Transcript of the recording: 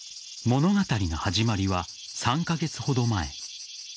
物語の始まりは３カ月ほど前。